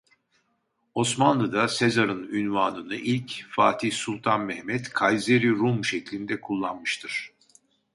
Osmanlı'da Sezar'ın unvanını ilk Fatih Sultan Mehmet "Kayzer-i Rum" şeklinde kullanmıştır.